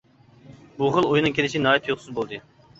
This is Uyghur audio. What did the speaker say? بۇ خىل ئوينىڭ كېلىشى ناھايىتى تۇيۇقسىز بولدى.